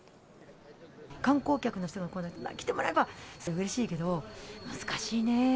観光客の人が来てもらえれば、それはうれしいけど、難しいね。